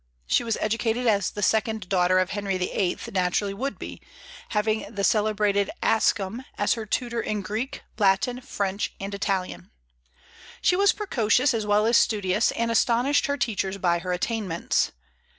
She was educated as the second daughter of Henry VIII. naturally would be, having the celebrated Ascham as her tutor in Greek, Latin, French, and Italian. She was precocious as well as studious, and astonished her teachers by her attainments.